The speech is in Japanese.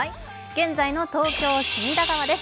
現在の東京・隅田川です